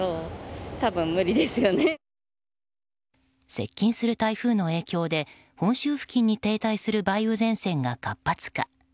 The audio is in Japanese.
接近する台風の影響で本州付近に停滞する梅雨前線が活発化。